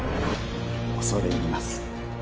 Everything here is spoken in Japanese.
恐れ入ります。